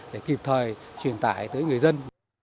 để kịp thời truyền tải tới người dân